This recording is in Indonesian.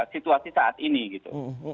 situasi saat ini gitu